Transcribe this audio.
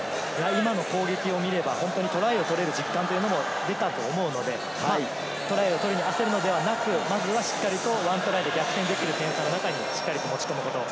今の攻撃を見ればトライを取れる実感も出たと思うので、焦るのではなく、しっかりと１トライで逆転できる点差の中に持ち込むこと。